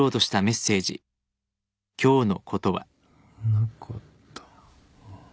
なかった